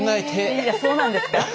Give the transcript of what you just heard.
いやそうなんですか！